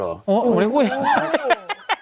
อ๋อเลยพูดอย่างนั้น